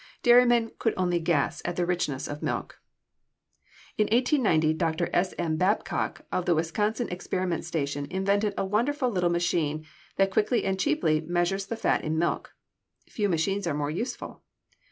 Dairymen could only guess at the richness of milk. In 1890 Dr. S. M. Babcock of the Wisconsin Experiment Station invented a wonderful little machine that quickly and cheaply measures the fat in milk. Few machines are more useful.